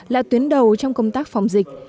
là tuyến đầu trong công tác phòng dịch